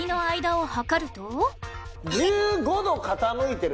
１５度傾いてる。